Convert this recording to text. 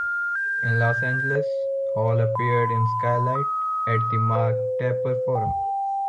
In Los Angeles, Hall appeared in "Skylight" at the Mark Taper Forum.